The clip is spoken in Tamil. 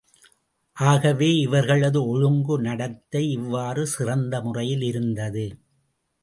ஆகவே, இவர்களது ஒழுங்கு நடத்தை இவ்வாறு சிறந்த முறையில் இருந்தது.